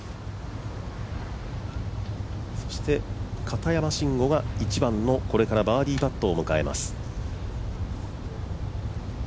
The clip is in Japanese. そして、片山晋呉が１番のバーディーパットを迎えます。